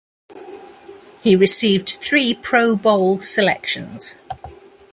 He received three Pro Bowl selections.